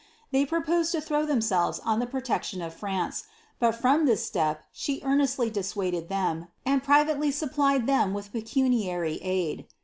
They proposed to throw them Klves on the protection of France, but from this step she earnestly dis itaded them, and privately supplied them with pecuniary aid.